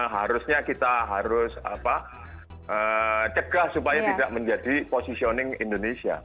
harusnya kita harus cegah supaya tidak menjadi positioning indonesia